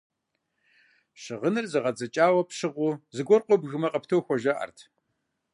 Щыгъыныр зэгъэдзэкӀауэ пщыгъыу зыгуэр къобгмэ, къыптохуэ, жаӀэрт.